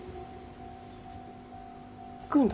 行くんだ。